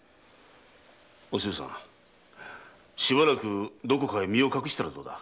お静さんしばらくどこかへ身を隠したらどうだ？